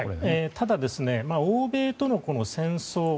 ただ、欧米との戦争